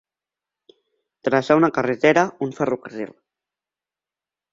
Traçar una carretera, un ferrocarril.